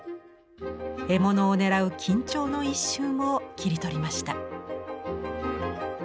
獲物を狙う緊張の一瞬を切り取りました。